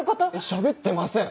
しゃべってません